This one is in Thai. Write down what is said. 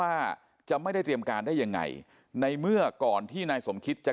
ว่าจะไม่ได้เตรียมการได้ยังไงในเมื่อก่อนที่นายสมคิตจะ